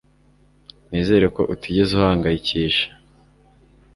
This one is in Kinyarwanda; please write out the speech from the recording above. Nizere ko utigeze uhangayikisha